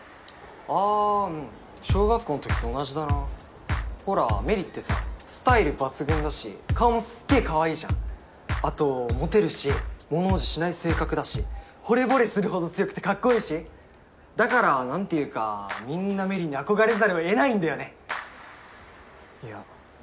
ああー小学校のときと同じだなほら芽李ってさスタイル抜群だし顔もすっげえかわいいじゃんあとモテるしものおじしない性格だしほれぼれするほど強くてかっこいいしだからなんていうかみんな芽李に憧れざるを得ないんだよねいや